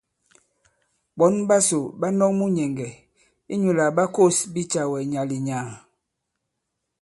Ɓɔ̌n ɓasò ɓa nɔ̄k munyɛ̀ŋgɛ̀ inyū lā ɓa kǒs bicàwɛ nyàà-lì- nyàà.